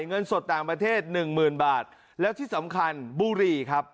เงินสดต่างประเทศ๑๐๐๐๐บาทแล้วที่สำคัญบูรีครับ